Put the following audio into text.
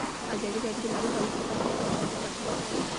ازادي راډیو د مالي پالیسي پرمختګ او شاتګ پرتله کړی.